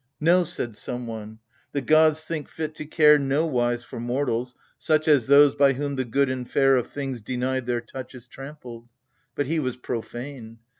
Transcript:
" No "— said someone —" The gods think fit to care Nowise for mortals, such As those by whom the good and fair Of things denied their touch Is trampled !" but he was profane.